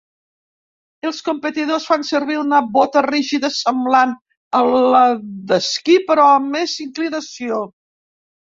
Els competidors fan servir una bota rígida, semblant a la d'esquí, però amb més inclinació.